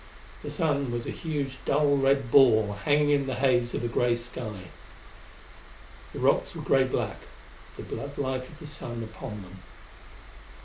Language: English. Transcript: The sun was a huge dull red ball hanging in the haze of a grey sky. The rocks were grey black, with the blood light of the sun upon them.